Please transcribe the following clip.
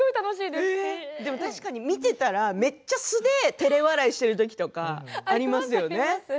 確かに見ていたらめっちゃ素で、てれ笑いしている時とかありますよね。